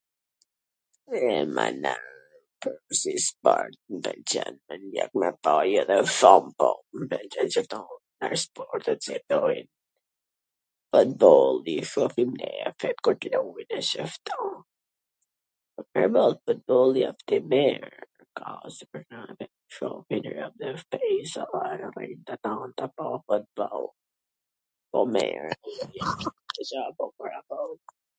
E mana, si sport mw pwlqen me pa nganjher sampo, ... futbolli, ... dhe basketbolli wsht i mir ...